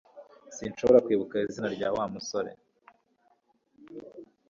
Sinshobora kwibuka izina rya Wa musore